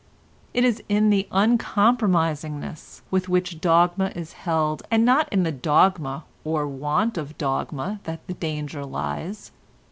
It is in the uncompromisingness with which dogma is held and not in the dogma or want of dogma that the danger lies.